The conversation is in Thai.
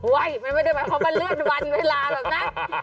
เว่ยมันไม่น่าเข้ามาเลื่อนวันเวลาแบบนะ